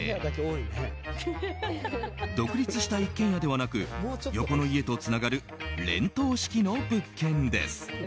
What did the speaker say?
独立した一軒家ではなく横の家とつながる連棟式の物件です。